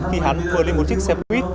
khi hắn vừa lên một chiếc xe buýt